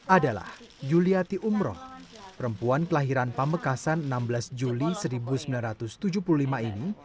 adalah yuliati umroh perempuan kelahiran pamekasan enam belas juli seribu sembilan ratus tujuh puluh lima ini